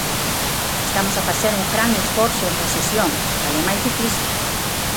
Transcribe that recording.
Estamos a facer un gran esforzo en recesión, o cal é máis difícil.